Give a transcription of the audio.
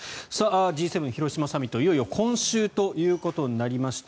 Ｇ７広島サミット、いよいよ今週ということになりました。